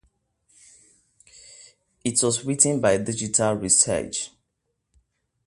It was written by Digital Research.